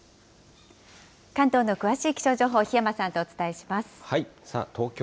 関東の詳しい気象情報、檜山さんとお伝えします。